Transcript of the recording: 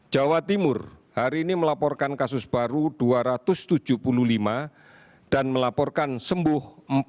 jawa timur hari ini melaporkan kasus baru dua ratus tujuh puluh lima dan melaporkan sembuh empat puluh